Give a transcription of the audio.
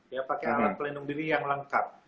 ya pakai alat pelindung diri yang lengkap